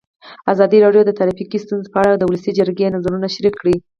ازادي راډیو د ټرافیکي ستونزې په اړه د ولسي جرګې نظرونه شریک کړي.